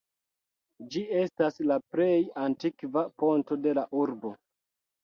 Ĝi estas la plej antikva ponto de la urbo.